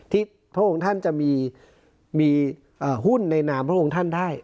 พระองค์ท่านจะมีหุ้นในนามพระองค์ท่านได้